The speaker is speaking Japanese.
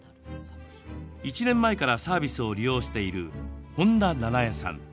１年前からサービスを利用している本田七重さん。